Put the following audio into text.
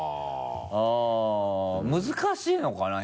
あぁ難しいのかな？